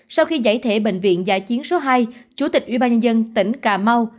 sau khi giải thể bệnh viện giả chiến số hai chủ tịch ubnd tỉnh cà mau